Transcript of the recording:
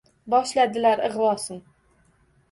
Boshladilar ig’vosin.